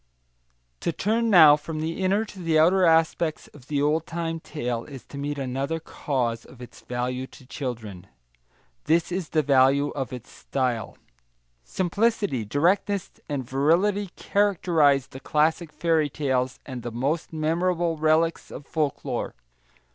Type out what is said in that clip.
To turn now from the inner to the outer aspects of the old time tale is to meet another cause of its value to children. This is the value of its style. Simplicity, directness, and virility characterise the classic fairy tales and the most memorable relics of folklore.